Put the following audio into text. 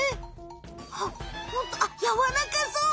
あっホントあっやわらかそう！